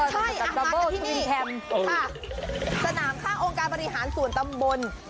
ใช่มากับที่นี่สนามข้างองค์การบริหารส่วนตำบล